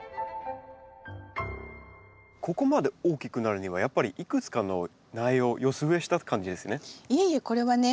ここまで大きくなるにはやっぱりいくつかの苗を寄せ植えした感じですね？